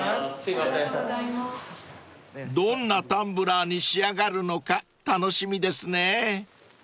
［どんなタンブラーに仕上がるのか楽しみですね］